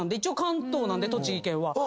一応関東なんで栃木県は。